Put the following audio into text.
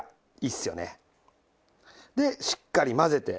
でしっかり混ぜて。